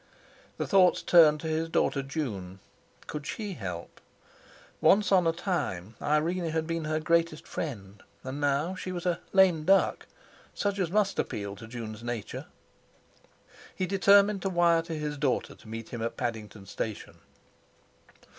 His thoughts turned to his daughter June. Could she help? Once on a time Irene had been her greatest friend, and now she was a "lame duck," such as must appeal to June's nature! He determined to wire to his daughter to meet him at Paddington Station.